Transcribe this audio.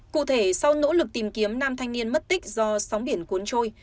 cụ thể sau nỗ lực tìm kiếm nam thanh niên mất tích do sóng biển cuốn trôi